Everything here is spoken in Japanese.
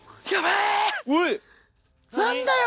何だよ